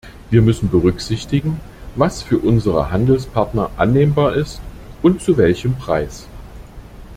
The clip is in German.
Wir müssen berücksichtigen, was für unsere Handelspartner annehmbar ist und zu welchem Preis.